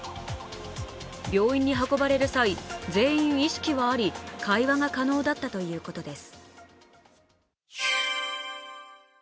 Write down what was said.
病院に運ばれる際、全員意識があり会話が可能だったということです。